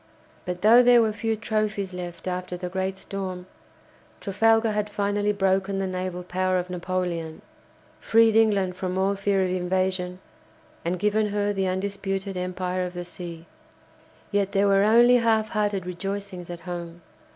But though there were few trophies left after the great storm, Trafalgar had finally broken the naval power of Napoleon, freed England from all fear of invasion, and given her the undisputed empire of the sea. Yet there were only half hearted rejoicings at home.